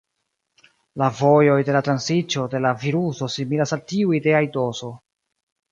La vojoj de la transiĝo de la viruso similas al tiuj de aidoso.